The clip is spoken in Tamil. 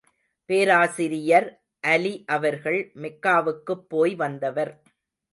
பேராசிரியர் அலி அவர்கள், மெக்காவுக்குப் போய் வந்தவர்.